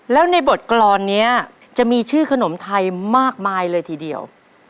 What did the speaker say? แล้วในบทกรอนนี้จะมีชื่อขนมไทยมากมายเลยทีเดียว